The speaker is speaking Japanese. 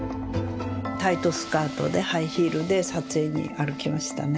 タイトスカートでハイヒールで撮影に歩きましたね。